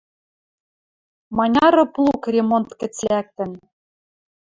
Маняры плуг ремонт гӹц лӓктӹн.